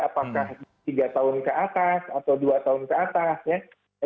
apakah tiga tahun ke atas atau dua tahun ke atas ya